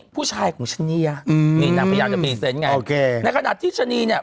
ผู้ชายของชะนีอะอืมนี่นางพยายามจะเปรีเซ็นไงโอเคนาขนาดที่ชะนีเนี้ย